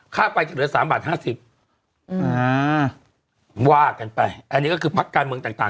ค่าไฟจะเหลือสามบาทห้าสิบอืมว่ากันไปอันนี้ก็คือพักการเมืองต่างต่าง